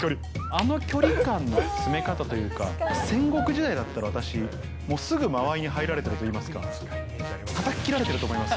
あの距離感の詰め方というか、戦国時代だったら、私、もうすぐ間合いに入られてるといいますか、たたき切られてると思います。